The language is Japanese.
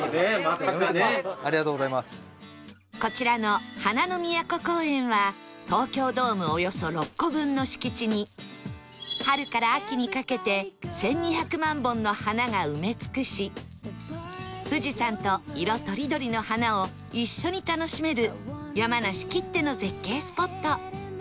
こちらの花の都公園は東京ドームおよそ６個分の敷地に春から秋にかけて１２００万本の花が埋め尽くし富士山と色とりどりの花を一緒に楽しめる山梨きっての絶景スポット